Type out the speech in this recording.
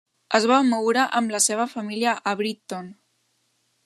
Es va moure amb la seva família a Brighton.